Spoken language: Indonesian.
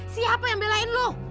siapa yang belain lu